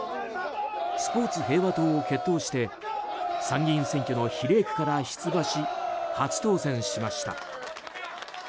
スポーツ平和党を結党して参議院選挙の比例区から出馬し、初当選しました。